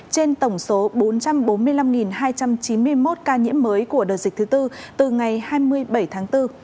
trên tổng số bốn trăm bốn mươi năm hai trăm chín mươi một ca nhiễm mới của đợt dịch thứ tư từ ngày hai mươi bảy tháng bốn